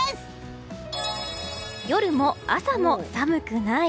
夜も朝も寒くない。